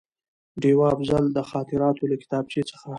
ډېوه افضل: د خاطراتو له کتابچې څخه